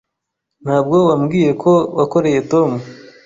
Ntabwo wambwiye ko wakoreye Tom.